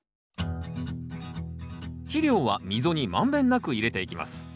肥料は溝に満遍なく入れていきます。